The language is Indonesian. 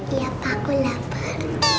iya pak aku lapar